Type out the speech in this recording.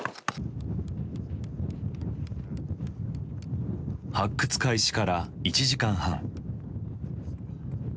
発掘開始から１時間半。